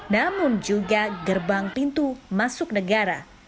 namun juga gerbang pintu masuk negara